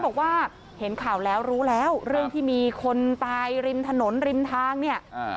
บอกว่าเห็นข่าวแล้วรู้แล้วเรื่องที่มีคนตายริมถนนริมทางเนี่ย